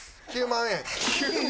９万円？